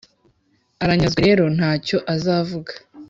aranyazwe rero ntacyo azavuga